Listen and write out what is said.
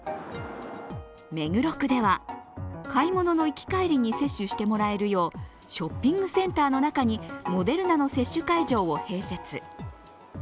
目黒区では、買い物の行き帰りに接種してもらえるよう、ショッピングセンターの中にモデルナの接種会場を併設。